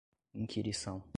inquirição